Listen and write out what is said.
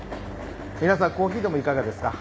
皆さんコーヒーでもいかがですか。